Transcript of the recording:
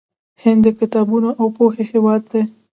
هند د کتابونو او پوهې هیواد دی.